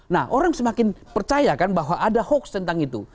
nah orang semakin percaya kan bahwa ada hoax tentang itu